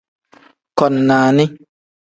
Koni nani.